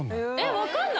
分かんない？